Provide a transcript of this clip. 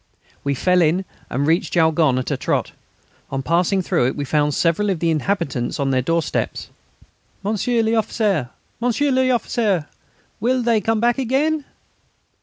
We fell in and reached Jaulgonne at a trot. On passing through it we found several of the inhabitants on their doorsteps: "Monsieur l'Officier, ... Monsieur l'Officier, will they come back again?"